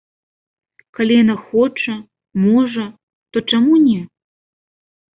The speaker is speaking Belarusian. Калі яна хоча, можа, то чаму не.